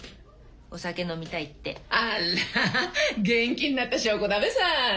あっら元気になった証拠だべさ。